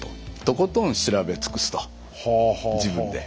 とことん調べ尽くすと自分で。